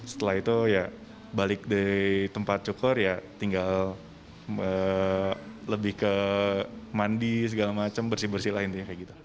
setelah itu ya balik dari tempat cukur ya tinggal lebih ke mandi segala macam bersih bersih lah intinya kayak gitu